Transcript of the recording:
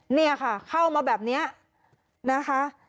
เนี่ยค่ะเข้ามาแบบนี้นะคะ